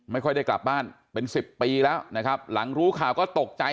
ไม่ค่อยได้กลับบ้านเป็นสิบปีแล้วนะครับหลังรู้ข่าวก็ตกใจ